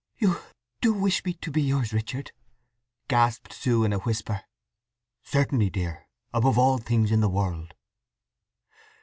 "You do—wish me to be yours, Richard?" gasped Sue in a whisper. "Certainly, dear; above all things in the world."